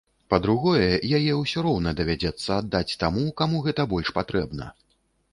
Па-другое, яе ўсё роўна давядзецца аддаць таму, каму гэта больш патрэбна.